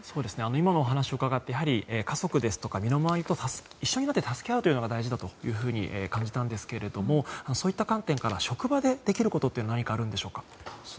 今のお話を伺って家族とか身の周りの人と一緒になって助け合うのが大事だと感じたんですがそういった観点から職場でできることは何かあるでしょうか。